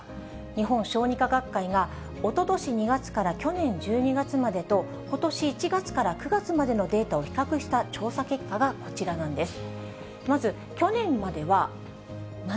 日本小児科学会が、おととし２月から去年１２月までと、ことし１月から９月までのデータを比較した調査結果がこちらなんです。